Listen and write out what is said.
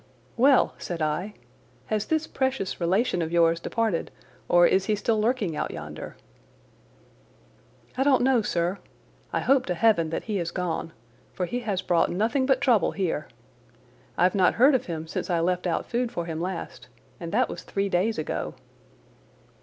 "Well," said I, "has this precious relation of yours departed, or is he still lurking out yonder?" "I don't know, sir. I hope to heaven that he has gone, for he has brought nothing but trouble here! I've not heard of him since I left out food for him last, and that was three days ago."